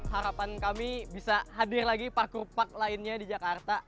harapan kami bisa hadir lagi parkur pak lainnya di jakarta